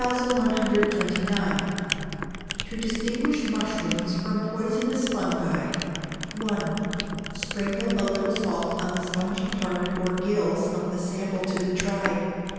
To Distinguish Mushrooms from Poisonous Fungi. i. Sprinkle a little salt on the spongy part or gills of the sample to be tried.